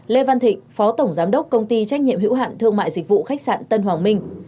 lê văn thịnh phó tổng giám đốc công ty trách nhiệm hữu hạn thương mại dịch vụ khách sạn tân hoàng minh